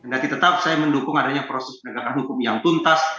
dan tetap saya mendukung adanya proses penegakan hukum yang tuntas